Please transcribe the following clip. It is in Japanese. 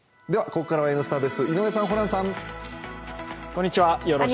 ここからは「Ｎスタ」です井上さん、ホランさん。